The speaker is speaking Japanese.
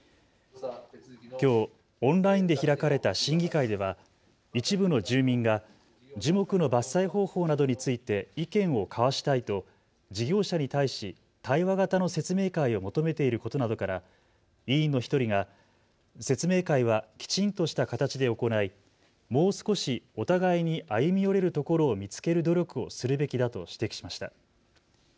きょう、オンラインで開かれた審議会では一部の住民が樹木の伐採方法などについて意見を交わしたいと事業者に対し対話型の説明会を求めていることなどから委員の１人が説明会はきちんとした形で行い、もう少しお互いに歩み寄れるところを見つける努力をするべきだと指摘しました。